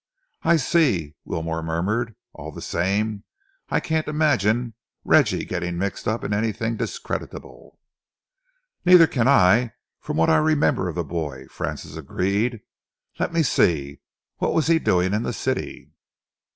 "I see," Wilmore murmured. "All the same, I can't imagine Reggie getting mixed up in anything discreditable." "Neither can I, from what I remember of the boy," Francis agreed. "Let me see, what was he doing in the City?"